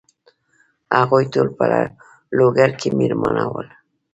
هغوی ټول په لوګر کې مېلمانه ول.